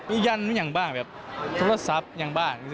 ยันอย่างบ้างแบบโทรศัพท์อย่างบ้าง